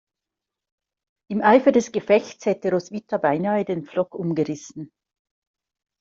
Im Eifer des Gefechts hätte Roswitha beinahe den Pflock umgerissen.